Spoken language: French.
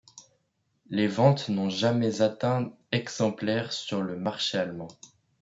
Les ventes n'ont jamais atteint exemplaires sur le marché allemand.